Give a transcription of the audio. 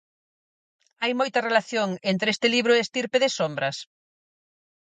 Hai moita relación entre este libro e Estirpe de sombras?